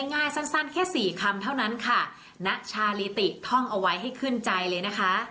ง่ายสั้นสั้นแค่สี่คำเท่านั้นค่ะณชาลีติท่องเอาไว้ให้ขึ้นใจเลยนะคะ